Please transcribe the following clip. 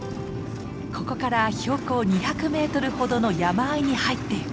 ここから標高２００メートルほどの山あいに入っていく。